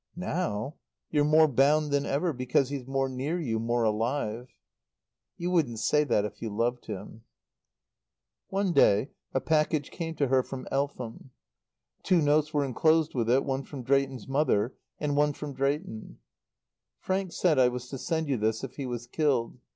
"Now? You're more bound than ever, because he's more near you, more alive." "You wouldn't say that if you loved him." One day a package came to her from Eltham. Two notes were enclosed with it, one from Drayton's mother and one from Drayton: "Frank said I was to send you this if he was killed.